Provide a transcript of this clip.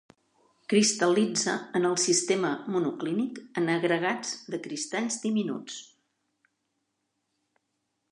Cristal·litza en el sistema monoclínic en agregats de cristalls diminuts.